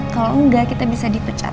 kalau enggak kita bisa dipecat